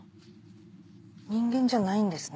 人間じゃないんですね？